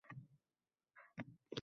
“Rangli tushlar” ajib hislar uyg‘otadi